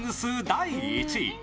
第１位。